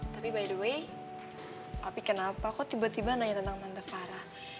tapi by the way papi kenapa kok tiba tiba nanya tentang tante farah